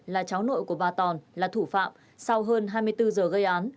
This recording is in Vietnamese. là cháu nội của bà tòn là thủ phạm sau hơn hai mươi bốn giờ gây án